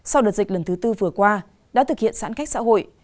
sau đợt dịch lần thứ tư vừa qua đã thực hiện sản khách xã hội